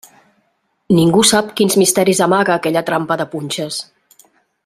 Ningú sap quins misteris amaga aquella trampa de punxes.